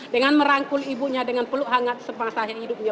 dengan merangkul ibunya dengan peluk hangat sepanjang hidupnya